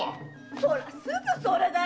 ほらすぐそれだ！